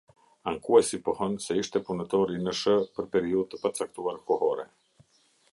Ankues i pohon se ishte punëtor i Nsh ër periudhë të pacaktuar kohore.